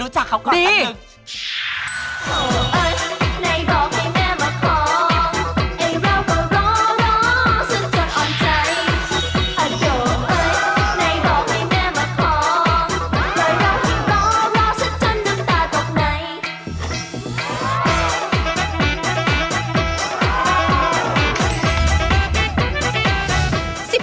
สวัสดีครับ